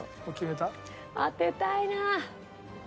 当てたいな。